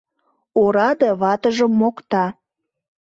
Ораде ватыжым мокта